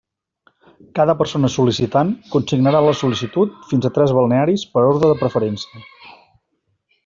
Cada persona sol·licitant consignarà en la sol·licitud fins a tres balnearis per orde de preferència.